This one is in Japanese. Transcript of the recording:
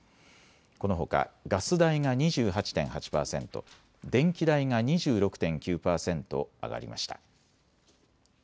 このほかガス代が２８．８％、電気代が２６．９％上がりました。